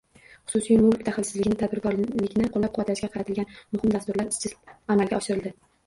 Xususiy mulk daxlsizligini, tadbirkorlikni qo‘llab-quvvatlashga qaratilgan muhim dasturlar izchil amalga oshirildi.